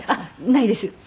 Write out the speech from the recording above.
ないです。